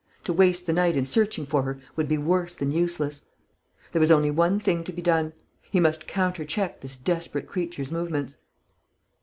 To waste the night in searching for her would be worse than useless. There was only one thing to be done. He must countercheck this desperate creature's movements.